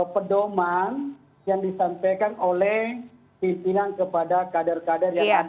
pedoman yang disampaikan oleh pimpinan kepada kader kader yang ada